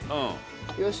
よし。